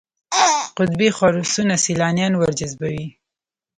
قطبي خرسونه سیلانیان ورجذبوي.